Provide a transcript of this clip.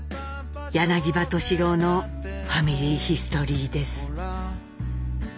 柳葉敏郎の「ファミリーヒストリー」です。